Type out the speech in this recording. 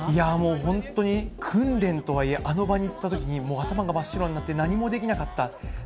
本当に訓練とはいえ、あの場に行ったときに、もう頭が真っ白になって何もできなかった。